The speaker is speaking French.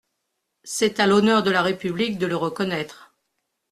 C’est à l’honneur de la République de le reconnaître.